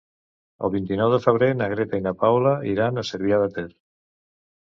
El vint-i-nou de febrer na Greta i na Paula iran a Cervià de Ter.